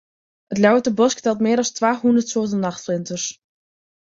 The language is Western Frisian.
It Ljouwerter Bosk telt mear as twa hûndert soarten nachtflinters.